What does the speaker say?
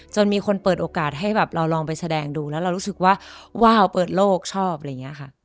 มีคนเปิดโอกาสให้แบบเราลองไปแสดงดูแล้วเรารู้สึกว่าว้าวเปิดโลกชอบอะไรอย่างนี้ค่ะ